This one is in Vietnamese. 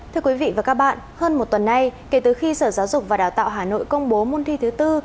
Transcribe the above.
thưa quý vị và các bạn hơn một tuần nay kể từ khi sở giáo dục và đào tạo hà nội công bố môn thi thứ tư